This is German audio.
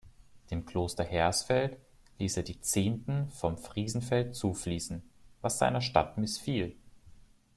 Dem Kloster Hersfeld ließ er die Zehnten vom Friesenfeld zufließen, was seiner Stadt missfiel.